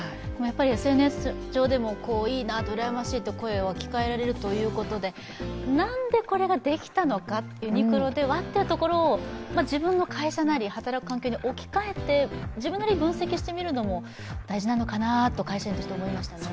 ＳＮＳ上でも、いいな、うらやましいという声が聞かれるということでなんでこれができたのか、ユニクロではというところを自分の会社なり働く環境に置き換えて自分なりに分析してみるのも大事なのかなと思いましたね。